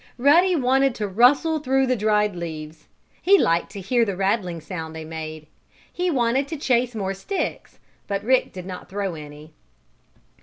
Ruddy wanted to rustle through the dried leaves. He liked to hear the rattling sound they made. He wanted to chase more sticks, but Rick did not throw any.